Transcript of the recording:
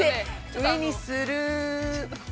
◆上にするー。